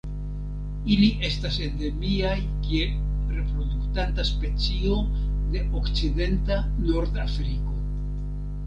Ili estas endemiaj kiel reproduktanta specio de okcidenta Nordafriko.